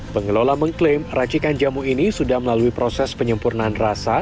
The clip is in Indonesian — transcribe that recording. pengelola mengklaim racikan jamu ini sudah melalui proses penyempurnaan rasa